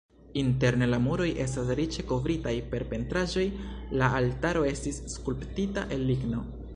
Interne la muroj estas riĉe kovritaj per pentraĵoj, la altaro estis skulptita el ligno.